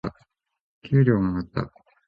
給料が上がった。